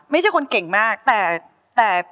ไม่ใช่คนเก่งมากแต่